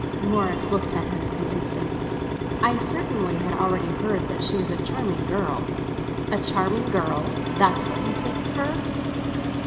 Morris looked at him an instant. "I certainly had already heard that she was a charming girl." "A charming girl—that's what you think her?"